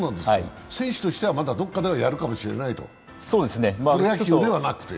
選手としてはまだどこかではやるかもしれない、プロ野球ではなくて。